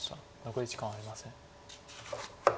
残り時間はありません。